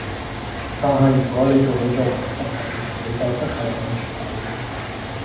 但系如果你叫佢做鹹濕仔，你就即係趕絕佢